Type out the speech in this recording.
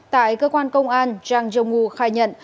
tại cơ quan công an zhang zhongwu khai nhận